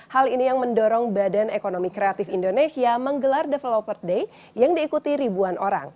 hal ini yang mendorong badan ekonomi kreatif indonesia menggelar developer day yang diikuti ribuan orang